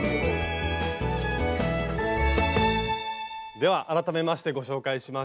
では改めましてご紹介しましょう。